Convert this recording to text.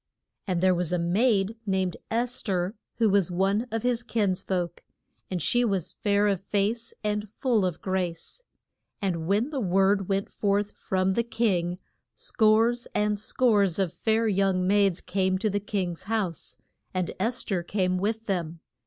And there was a maid named Es ther, who was one of his kins folk. And she was "fair of face, and full of grace." And when the word went forth from the king, scores and scores of fair young maids came to the king's house, and Es ther came with them.